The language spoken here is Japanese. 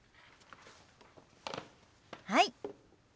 はい。